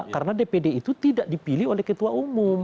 karena dpd itu tidak dipilih oleh ketua umum